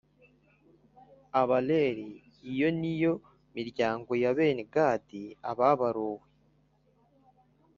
Abareli Iyo ni yo miryango ya bene Gadi Ababaruwe